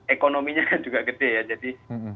ekonominya kan juga gede ya jadi